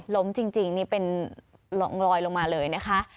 จริงนี่เป็นลอยลงมาเลยนะคะ